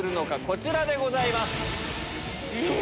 こちらでございます。